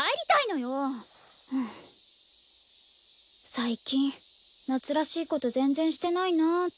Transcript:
最近夏らしいこと全然してないなって。